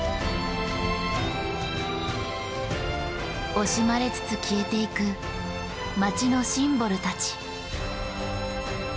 惜しまれつつ消えていく街のシンボルたち。